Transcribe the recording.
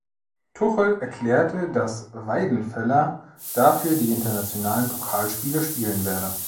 Tuchel erklärte, dass Weidenfeller dafür die internationalen Pokalspiele spielen werde.